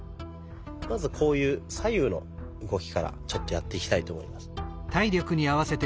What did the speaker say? まずこういう左右の動きからちょっとやっていきたいと思います。